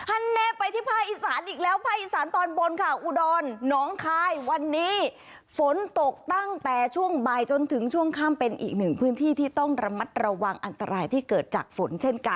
อันนี้ไปที่ภาคอีสานอีกแล้วภาคอีสานตอนบนค่ะ